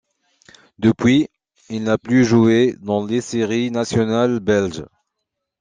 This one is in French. Depuis, il n'a plus joué dans les séries nationales belges.